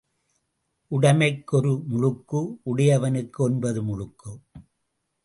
உடைமைக்கு ஒரு முழுக்கு உடையவனுக்கு ஒன்பது முழுக்கு.